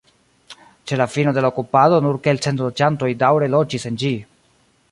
Ĉe la fino de la okupado nur kelkcent loĝantoj daŭre loĝis en ĝi.